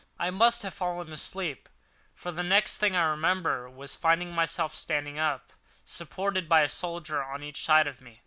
I must have fallen asleep; for the next thing I remembered was finding myself standing up, supported by a soldier on each side of me.